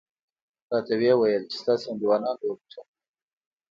راته ویې ویل چې ستاسې انډیوالانو وګټله.